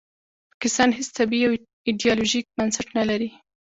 پاکستان هیڅ طبیعي او ایډیالوژیک بنسټ نلري